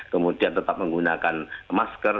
kemudian tetap menggunakan masker